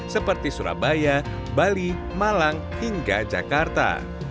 seperti surabaya bali malang hingga jakarta